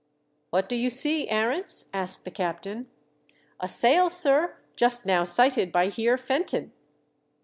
" What do you see, Arents ?" asked tne captain. " A sail, sir, just now sighted by Heer Fenton."